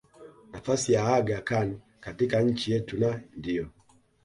nafasi ya Aga Khan katika nchi yetu na ndiyo